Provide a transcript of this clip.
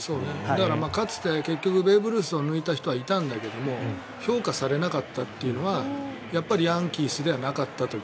だから結局かつてベーブ・ルースを抜いた人はいたんだけど評価されなかったというのはヤンキースではなかったという。